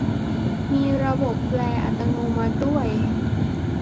มีระบบแปลอัตโนมัติด้วย !